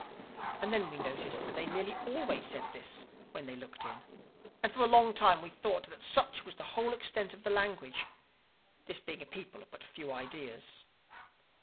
"And then we noticed that they nearly always said this when they looked in. And for a long time we thought that such was the whole extent of the language, this being a people of but few ideas.